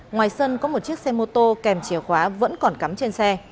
ngoài sân có một chiếc xe mô tô kèm chìa khóa vẫn còn cắm trên xe